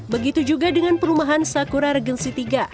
begitu juga dengan perumahan sakura regency iii